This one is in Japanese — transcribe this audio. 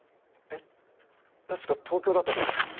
え確か東京だったと思うけど？